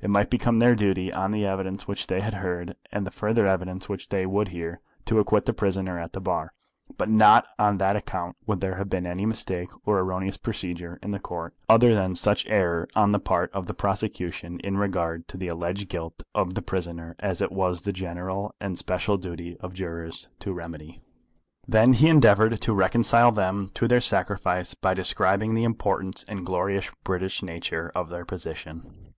It might become their duty, on the evidence which they had heard and the further evidence which they would hear, to acquit the prisoner at the bar; but not on that account would there have been any mistake or erroneous procedure in the Court, other than such error on the part of the prosecution in regard to the alleged guilt of the prisoner as it was the general and special duty of jurors to remedy. Then he endeavoured to reconcile them to their sacrifice by describing the importance and glorious British nature of their position.